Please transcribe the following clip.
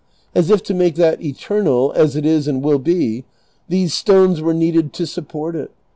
as if to make that eternal, as it is and will be, these stones were needed to support it.